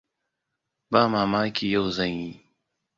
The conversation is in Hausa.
Ba mamaki yau zan yi.